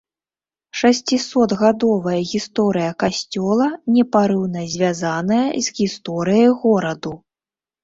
Шасцісотгадовая гісторыя касцёла непарыўна звязаная з гісторыяй гораду.